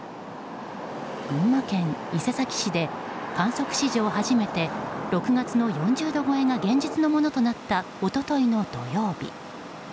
群馬県伊勢崎市で観測史上初めて６月の４０度超えが現実のものとなった一昨日の土曜日。